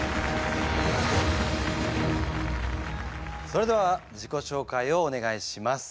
それでは自己紹介をお願いします。